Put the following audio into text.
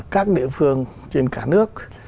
các địa phương trên cả nước